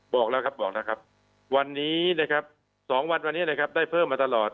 บอกแล้วครับวันนี้นะครับ๒วันวันนี้ได้เพิ่มมาตลอด